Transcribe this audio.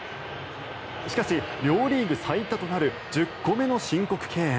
しかし、両リーグ最多となる１０個目の申告敬遠。